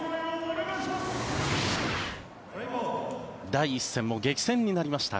第１戦も激戦になりました